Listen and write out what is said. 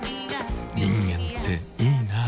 人間っていいナ。